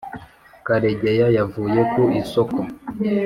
karegeya yavuye ku isoko